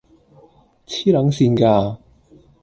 痴撚線架！